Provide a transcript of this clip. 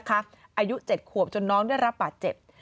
อายุ๗ขวบจนน้องได้รับบาดเจ็บ